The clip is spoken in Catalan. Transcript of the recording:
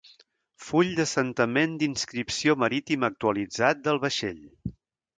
Full d'assentament d'inscripció marítima actualitzat del vaixell.